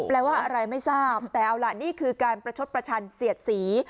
แปลว่าอะไรไม่ทราบแต่เอาล่ะนี่คือการประชดประชันเสียดสี